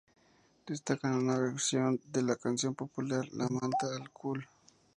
Destacan con una versión de la canción popular "La manta al coll".